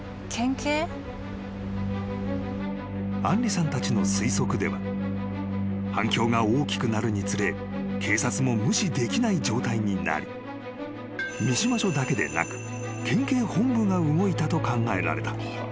［杏梨さんたちの推測では反響が大きくなるにつれ警察も無視できない状態になり三島署だけでなく県警本部が動いたと考えられた］